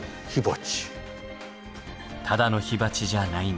ただの火鉢じゃないんです。